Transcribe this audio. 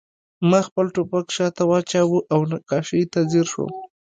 ما خپل ټوپک شاته واچاوه او نقاشۍ ته ځیر شوم